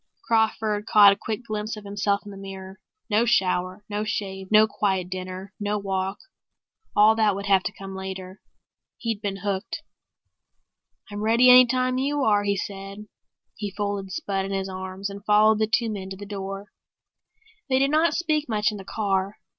Crawford caught a quick glimpse of himself in the mirror. No shower, no shave, no quiet dinner, no walk; all that would have to come later. He'd been hooked. "I'm ready any time you are," he said. He folded Spud in his arms and followed the two men to the door. They did not speak much in the car.